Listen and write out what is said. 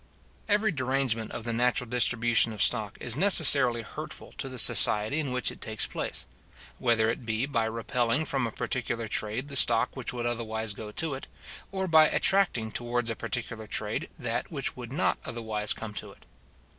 Every derangement of the natural distribution of stock is necessarily hurtful to the society in which it takes place; whether it be by repelling from a particular trade the stock which would otherwise go to it, or by attracting towards a particular trade that which would not otherwise come to it.